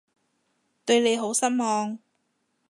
對你好失望